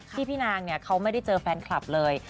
ที่พี่นางเขาไม่ได้เจอแฟนคลับเลย